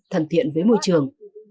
thần thiện với môi trường